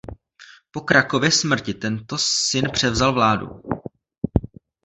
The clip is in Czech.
Po Krakově smrti tento syn převzal vládu.